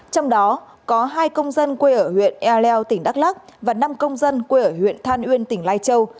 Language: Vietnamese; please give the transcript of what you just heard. trong đó có hai công dân quê ở huyện ea leo tỉnh đắk lắc và năm công dân quê ở huyện than uyên tỉnh lai châu